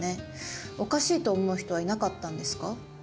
おかしいと思う人はいなかったんですか？